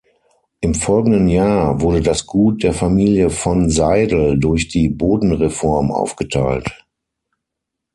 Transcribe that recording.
Im folgenden Jahr wurde das Gut der Familie von Seydel durch die Bodenreform aufgeteilt.